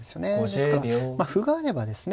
ですから歩があればですね